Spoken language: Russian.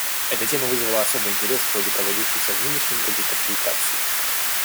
Эта тема вызвала особый интерес в ходе проводившихся в нынешнем году консультаций.